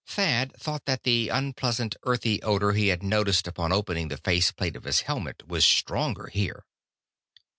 Thad thought that the unpleasant earthy odor he had noticed upon opening the face plate of his helmet was stronger here.